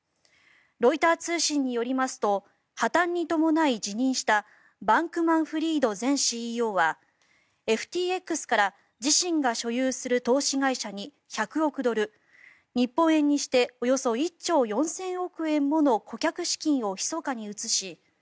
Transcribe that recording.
ロイター通信によりますと破たんに伴い辞任したバンクマンフリード前ＣＥＯはＦＴＸから自身が所有する投資会社に１００億ドル日本円にしておよそ１兆４０００億円もの顧客資金をひそかに移し